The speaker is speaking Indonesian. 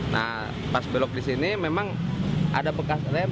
nah pas belok di sini memang ada bekas rem